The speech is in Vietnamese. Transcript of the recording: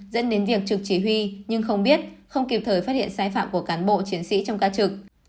dẫn đến việc trực chỉ huy nhưng không biết không kịp thời phát hiện sai phạm của cán bộ chiến sĩ trong ca trực